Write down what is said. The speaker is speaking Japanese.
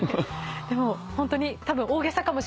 でもホントにたぶん大げさかもしれないです。